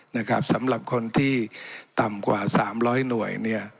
นะครับสำหรับคนที่ต่ำกว่าสามร้อยหน่วยเนี่ย